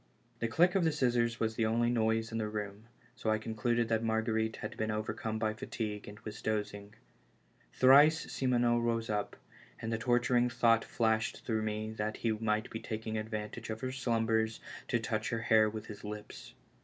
The click of the scissors was the only noise in the room, so I concluded that Marguerite had been overcome by fatigue and was dozing. Twice Simoneau rose up, and the torturing thought flashed through me that he might be taking advantage of her slumbers to touch lier hair with his lips.